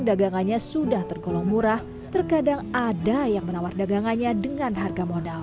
dagangannya sudah tergolong murah terkadang ada yang menawar dagangannya dengan harga yang lebih mahal